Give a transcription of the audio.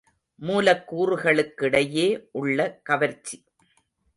மூலக்கூறுகளுக்கிடையே உள்ள கவர்ச்சி.